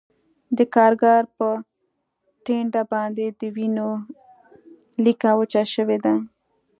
د کارګر په ټنډه باندې د وینو لیکه وچه شوې وه